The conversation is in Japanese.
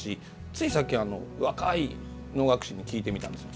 ついさっき、若い能楽師に聞いてみたんです。